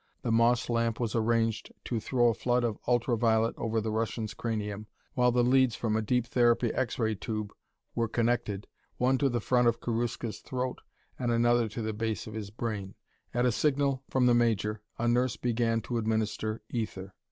The Moss lamp was arranged to throw a flood of ultra violet over the Russian's cranium while the leads from a deep therapy X ray tube was connected, one to the front of Karuska's throat and the other to the base of his brain. At a signal from the major, a nurse began to administer ether.